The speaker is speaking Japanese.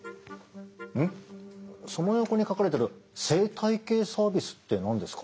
その横に書かれてる「生態系サービス」って何ですか？